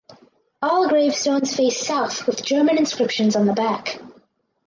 All gravestones face south with German inscriptions on the back.